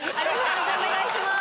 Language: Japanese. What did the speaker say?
判定お願いします。